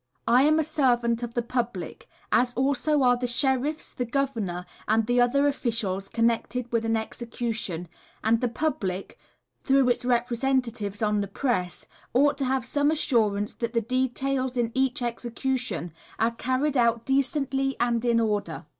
I am a servant of the public, as also are the sheriffs, the governor, and the other officials connected with an execution, and the public, through its representatives on the press, ought to have some assurance that the details of each execution are carried out decently and in order.